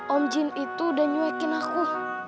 om jin itu udah nyuekin aku